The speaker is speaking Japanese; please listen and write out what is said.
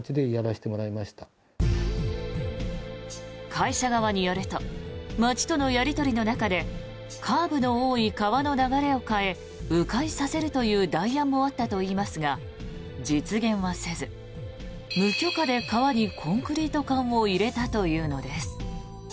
会社側によると町とのやり取りの中でカーブの多い川の流れを変え迂回させるという代案もあったといいますが実現はせず無許可で川にコンクリート管を入れたというのです。